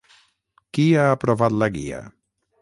Qui ha aprovat la Guia?